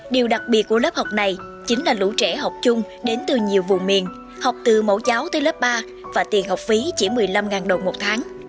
điều đặc biệt của lớp học này chính là lũ trẻ học chung đến từ nhiều vùng miền học từ mẫu giáo tới lớp ba và tiền học phí chỉ một mươi năm đồng một tháng